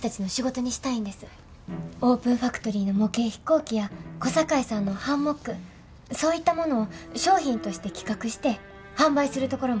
オープンファクトリーの模型飛行機や小堺さんのハンモックそういったものを商品として企画して販売するところまで考えてます。